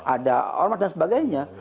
ada ormat dan sebagainya